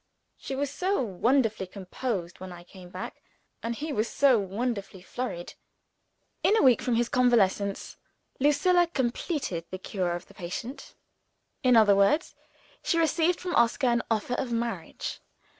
She was so wonderfully composed when I came back and he was so wonderfully flurried. In a week from his convalescence, Lucilla completed the cure of the patient. In other words, she received from Oscar an offer of marriage.